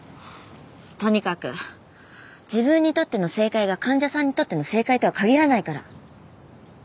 とにかく自分にとっての正解が患者さんにとっての正解とは限らないから。